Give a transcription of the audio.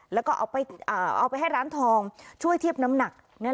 แล้วก็เอาไปให้ร้านทองช่วยเทียบน้ำหนัก